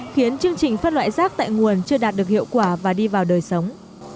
khiến chương trình phân loại rác tại nguồn chưa đạt được hiệu quả và đi vào đời sống